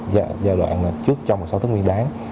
giai đoạn trước trong một số tháng nguyên đáng